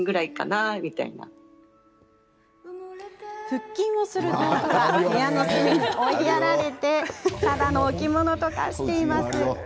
腹筋をする道具は部屋の隅に追いやられただの置物と化しています。